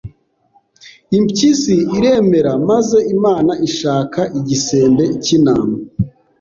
Impyisi iremeraMaze Imana ishaka igisembe cy'intama